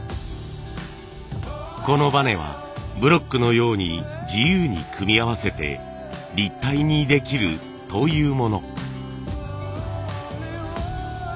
このバネはブロックのように自由に組み合わせて立体にできるというもの。